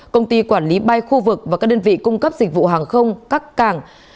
công ty quản lý bay khu vực và các đơn vị cung cấp dịch vụ hàng không các cảng